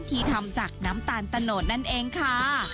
ที่ทำจากน้ำตาลตะโนดนั่นเองค่ะ